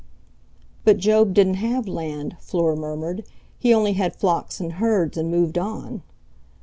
"But Job didn't have land," Fleur murmured; "he only had flocks and herds and moved on."